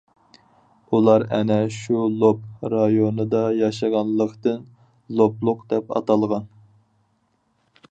ئۇلار ئەنە شۇ «لوپ» رايونىدا ياشىغانلىقتىن «لوپلۇق» دەپ ئاتالغان.